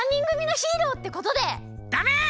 ダメ！